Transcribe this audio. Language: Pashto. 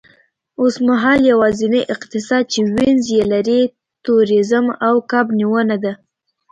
اوسمهال یوازینی اقتصاد چې وینز یې لري، تورېزم او کب نیونه ده